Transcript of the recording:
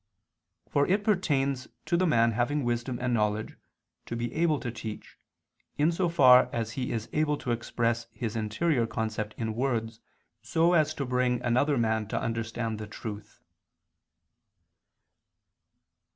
For it pertains to the man having wisdom and knowledge to be able to teach, in so far as he is able to express his interior concept in words, so as to bring another man to understand the truth.